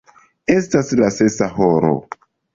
Estas la sesa horo.